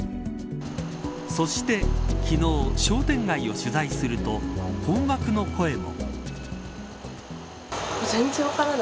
そして昨日商店街を取材すると困惑の声も。